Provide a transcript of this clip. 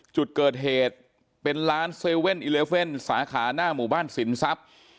จุดเกิดเหตุเป็นร้าน๗๑๑สาขาหน้าหมู่บ้านสินทรัพย์